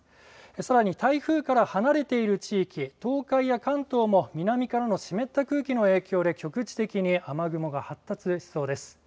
さらに台風から離れている地域、東海や関東も南からの湿った空気の影響で局地的に雨雲が発達しそうです。